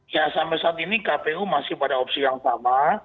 ya sampai saat ini kpu masih pada opsi yang sama